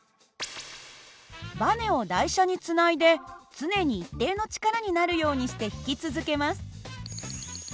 ばねを台車につないで常に一定の力になるようにして引き続けます。